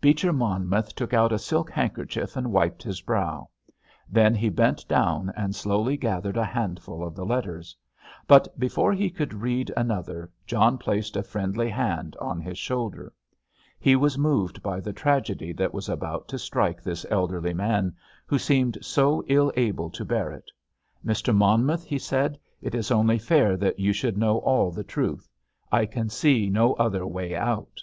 Beecher Monmouth took out a silk handkerchief and wiped his brow. Then he bent down and slowly gathered a handful of the letters. But before he could read another, John placed a friendly hand on his shoulder. He was moved by the tragedy that was about to strike this elderly man, who seemed so ill able to bear it. "Mr. Monmouth," he said, "it is only fair that you should know all the truth. I can see no other way out."